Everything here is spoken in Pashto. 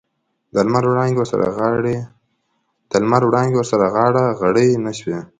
د لمر وړانګې ورسره غاړه غړۍ نه شوې.